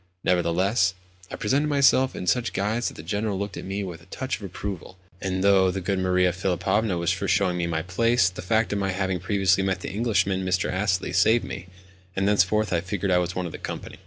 Nevertheless, I presented myself in such guise that the General looked at me with a touch of approval; and, though the good Maria Philipovna was for showing me my place, the fact of my having previously met the Englishman, Mr. Astley, saved me, and thenceforward I figured as one of the company.